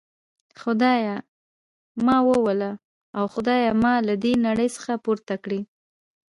خدایه ما ووله او خدایه ما له دي نړۍ څخه پورته کړي.